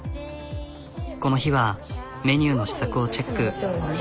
この日はメニューの試作をチェック。